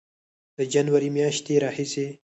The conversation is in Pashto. د جنورۍ میاشتې راهیسې